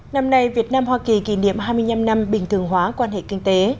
năm nay việt nam hoa kỳ kỷ niệm hai mươi năm năm bình thường hóa quan hệ kinh tế